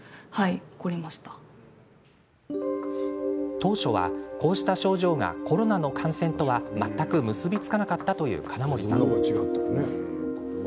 当初は、こうした症状がコロナの感染とは全く結び付かなかったという金森さん。